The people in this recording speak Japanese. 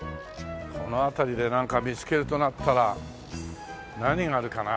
この辺りでなんか見つけるとなったら何があるかな？